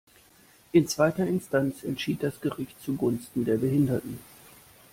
In zweiter Instanz entschied das Gericht zugunsten der Behinderten.